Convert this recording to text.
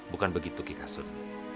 bukan begitu kika sun